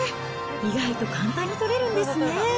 意外と簡単に取れるんですね。